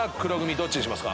どっちにしますか？